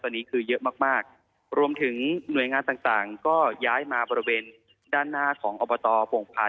ตอนนี้คือเยอะมากมากรวมถึงหน่วยงานต่างต่างก็ย้ายมาบริเวณด้านหน้าของอบตโป่งพาน